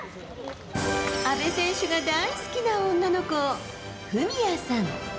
阿部選手が大好きな女の子、史耶さん。